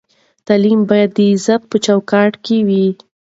تعلیم باید د عزت په چوکاټ کې وي.